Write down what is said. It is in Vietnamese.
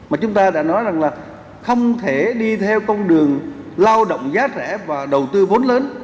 mà chúng ta đã nói rằng là không thể đi theo con đường lao động giá rẻ và đầu tư vốn lớn